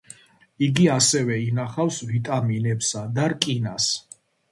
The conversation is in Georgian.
იგი ასევე ინახავს ვიტამინებსა და რკინას.